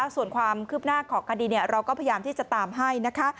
ส่วนความคืบหน้าของคดีเราก็พยายามที่จะตามให้นะคะ